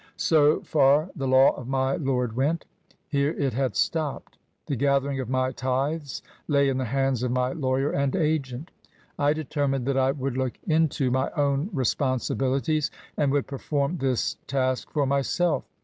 So far the law of my Lord went ; here it had stopped. The gathering of my tithes lay in the hands of my lawyer and agent. I determined that I would look into my own responsibilities and would perform this task for myself.